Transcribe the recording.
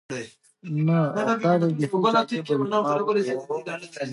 نه، او دا به بیخي جالبه وي. ما وویل.